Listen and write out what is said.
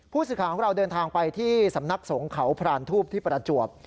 ผู้สิทธิ์ค้าของเราเดินทางไปที่สำนักสงเขาพรานทูบที่ปรจวบ